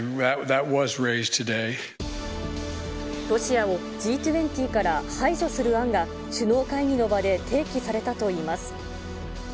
ロシアをＧ２０から排除する案が、首脳会議の場で提起されたといいます。